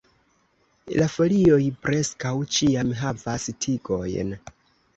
La folioj preskaŭ ĉiam havas tigojn.